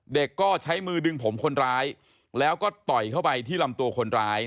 เด็กก็ใช้มือดึงผมคนร้ายแล้วก็ต่อยเข้าไปที่ลำตัวคนร้าย